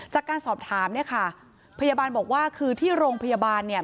จากการสอบถามเนี่ยค่ะพยาบาลบอกว่าคือที่โรงพยาบาลเนี่ย